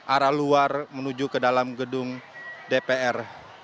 arah luar menuju ke dalam gedung dpr